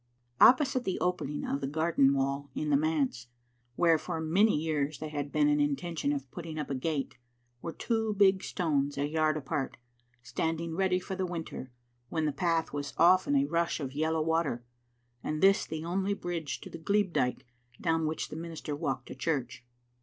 Opposite the opening of the garden wall in the manse, where for many years there had been an intention of putting up a gate, were two big stones a yard apart, standing ready for the winter, when the path was often a rush of yellow water, and this the only bridge to the glebe dyke, down which the minister walked to church.